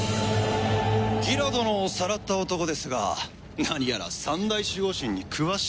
ギラ殿をさらった男ですが何やら三大守護神に詳しい様子。